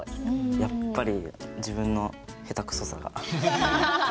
やっぱり自分の下手くそさが目に見えて。